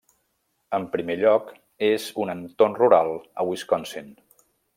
En primer lloc és un entorn rural a Wisconsin.